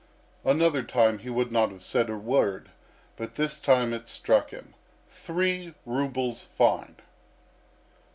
Another time he would not have said a word, but this time it struck him. Three rubles fine!..."